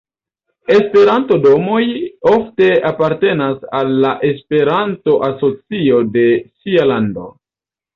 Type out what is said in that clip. Esperanto-domoj ofte apartenas al la Esperanto-asocio de sia lando.